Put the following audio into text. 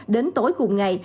đến tối cùng ngày